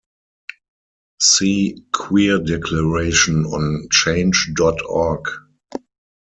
See Queer Declaration on Change dot org.